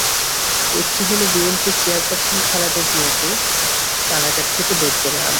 একটি হলো বিএনপির চেয়ারপারসন খালেদা জিয়াকে কারাগার থেকে বের করে আনা।